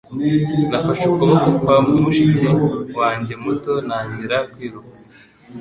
Nafashe ukuboko kwa mushiki wanjye muto ntangira kwiruka.